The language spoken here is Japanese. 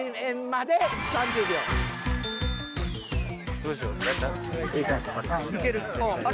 どうしよう。